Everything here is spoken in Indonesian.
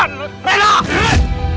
udah datang ke sini